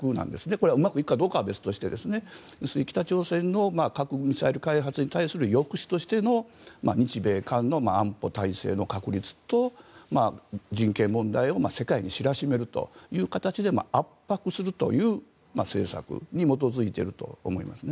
これはうまくいくかどうかは別として北朝鮮の核・ミサイル開発に対する抑止としての日米韓の安保体制の確立と人権問題を世界に知らしめるという形で圧迫するという政策に基づいていると思います。